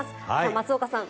松岡さん